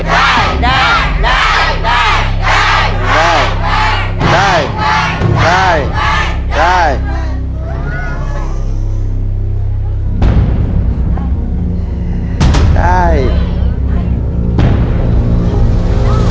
นาย